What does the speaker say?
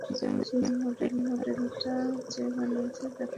সেজন্য এই মডেলটা যে বানিয়েছে তাকে শনাক্ত করতে হবে!